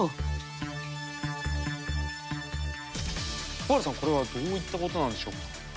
尾原さんこれはどういったことなんでしょうか？